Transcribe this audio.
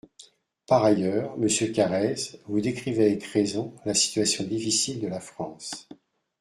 Par ailleurs, monsieur Carrez, vous décrivez, avec raison, la situation difficile de la France.